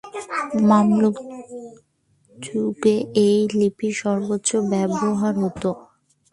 Mamluk যুগে এই লিপির সর্বোচ্চ ব্যবহার হত।